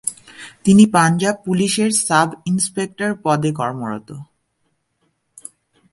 তিনি পাঞ্জাব পুলিশের সাব-ইন্সপেক্টর পদে কর্মরত।